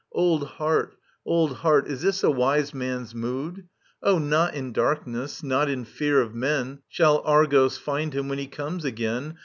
Old hearty old heart, is this a wise man^s mood ?••• O, not in darkness, not in fear of men, Shall ArgQS find him, when he comes again.